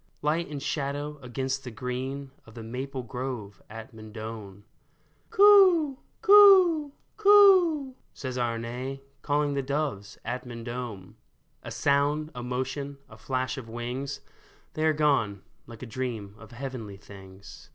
Light and shadow against the green Of the maple grove at Mendon. " Coo ! coo ! coo !" says Arne, Calling the doves at Mendon ! THE DOVES AT MENDON 385 A sound, a motion, a flash of wings — They are gone — hke a dream of heavenly things.